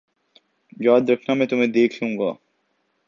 یاد رکھنا میں تمہیں دیکھ لوں گا